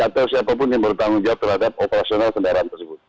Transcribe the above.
atau siapapun yang bertanggung jawab terhadap operasional kendaraan tersebut